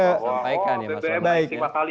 oh bbm masih lima kali